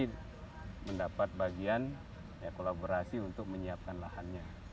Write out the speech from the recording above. dki mendapat bagian ya kolaborasi untuk menyiapkan lahannya